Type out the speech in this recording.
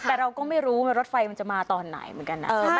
แต่เราก็ไม่รู้ไงรถไฟมันจะมาตอนไหนเหมือนกันนะครับ